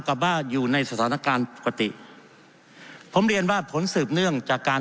กับว่าอยู่ในสถานการณ์ปกติผมเรียนว่าผลสืบเนื่องจากการ